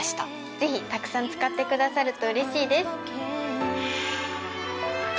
ぜひたくさん使ってくださるとうれしいです。